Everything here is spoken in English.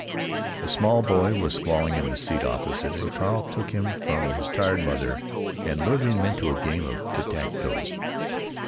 A small boy was squalling in the seat opposite, and Carl took him from his tired mother and lured him into a game of tit tat toe.